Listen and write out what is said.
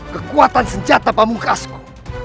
kekuatan senjata pamungkasku